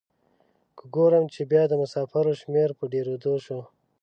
که ګورم چې بیا د مسافرو شمیر په ډیریدو شو.